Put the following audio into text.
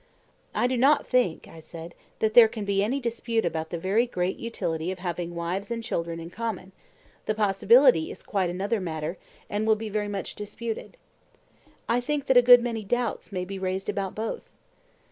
I do not think, I said, that there can be any dispute about the very great utility of having wives and children in common; the possibility is quite another matter, and will be very much disputed. I think that a good many doubts may be raised about both.